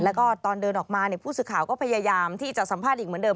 แล้วก็ตอนเดินออกมาผู้สื่อข่าวก็พยายามที่จะสัมภาษณ์อีกเหมือนเดิ